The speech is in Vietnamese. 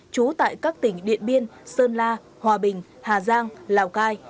trú tại các tỉnh điện biên sơn la hòa bình hà giang lào cai